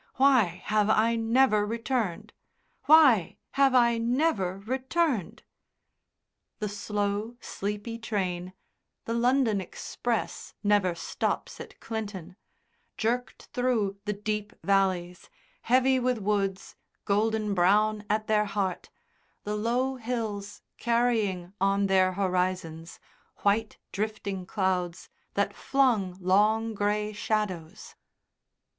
Why have I never returned?... Why have I never returned?" The slow, sleepy train (the London express never stops at Clinton) jerked through the deep valleys, heavy with woods, golden brown at their heart, the low hills carrying, on their horizons, white drifting clouds that flung long grey shadows.